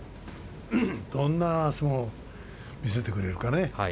どんな相撲を見せてくれるかね。